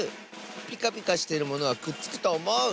ピカピカしてるものはくっつくとおもう！